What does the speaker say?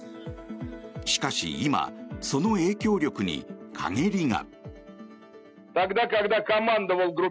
しかし今、その影響力に陰りが。